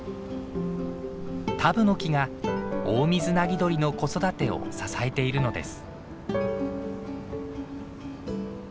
タブノキがオオミズナギドリの子育てを支えているのです。